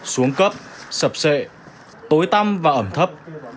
xuống cấp sập sệ tối tăm và ẩm thấp